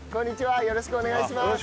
よろしくお願いします！